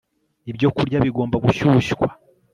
Ibyokurya Bigomba Gushyushywa